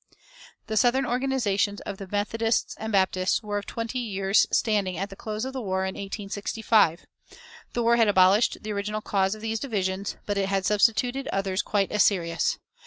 The southern organizations of the Methodists and Baptists were of twenty years' standing at the close of the war in 1865. The war had abolished the original cause of these divisions, but it had substituted others quite as serious.